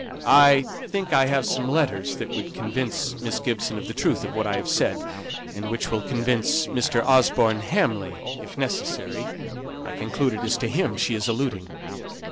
"I think I have some letters that would convince Miss Gibson of the truth of what I have said; and which will convince Mr. Osborne Hamley, if necessary I conclude it is to him she is alluding."